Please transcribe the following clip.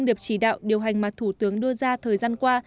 điệp chỉ đạo điều hành mà thủ tướng đưa ra thời gian qua